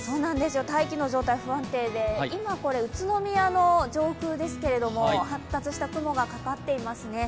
大気の状態、不安定で、これは宇都宮の上空ですけれども、発達した雲がかかっていますね。